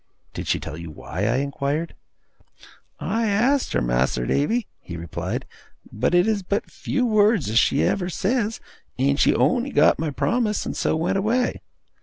'Did she tell you why?' I inquired. 'I asked her, Mas'r Davy,' he replied, 'but it is but few words as she ever says, and she on'y got my promise and so went away.